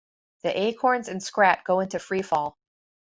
The acorns and Scrat go into free fall.